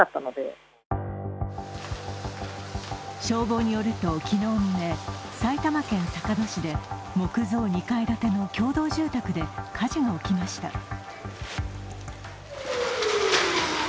消防によると昨日未明、埼玉県坂戸市で木造２階建ての共同住宅で火事が起きました。